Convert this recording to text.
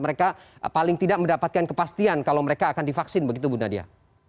mereka paling tidak mendapatkan kepastian kalau mereka akan divaksin begitu bu nadia